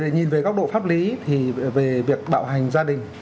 nhìn về góc độ pháp lý thì về việc bạo hành gia đình